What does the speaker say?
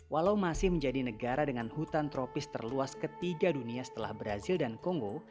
walau masih menjadi negara dengan hutan tropis terluas ketiga dunia setelah brazil dan kongo